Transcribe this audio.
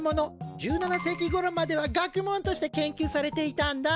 １７世紀ごろまでは学問として研究されていたんだ。